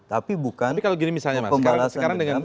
tapi bukan pembalasan